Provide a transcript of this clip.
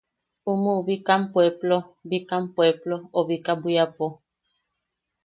Umuʼu Bikam Pueplo... Bikam Pueplo o Bika Bwiapo.